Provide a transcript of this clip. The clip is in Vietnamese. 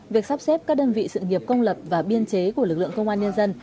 việc sắp xếp các đơn vị sự nghiệp công lập và biên chế của lực lượng công an nhân dân